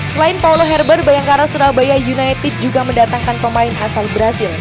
selain paulo herber bayangkara surabaya united juga mendatangkan pemain asal brazil